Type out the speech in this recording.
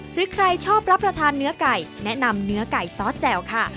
หรือใครชอบรับประทานเนื้อไก่แนะนำเนื้อไก่ซอสแจ่วค่ะ